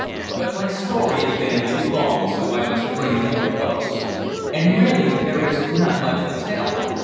But my story is getting too long, so I must bring it to a close. And really there is not much to tell.